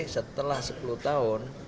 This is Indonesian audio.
setelah sepuluh tahun